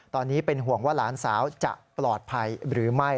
ตอนนี้เป็นห่วงว่าหลานสาวจะปลอดภัยหรือไม่